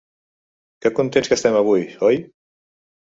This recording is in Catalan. Que contents que estem avui, oi?